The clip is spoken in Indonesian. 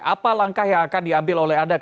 apa langkah yang akan diambil oleh anda